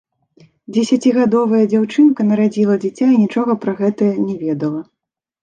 Дзесяцігадовая дзяўчынка нарадзіла дзіця і нічога пра гэта не ведала.